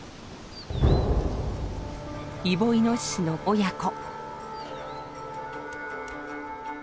イボイノシシの親子。